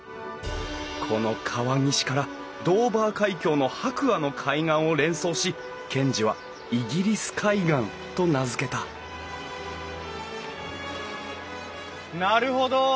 この川岸からドーバー海峡の白亜の海岸を連想し賢治はイギリス海岸と名付けたなるほど。